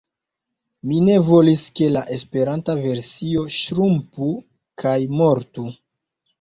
Mi ne volis, ke la Esperanta versio ŝrumpu kaj mortu.